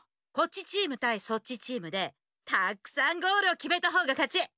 こっちチームたいそっちチームでたくさんゴールをきめたほうがかち。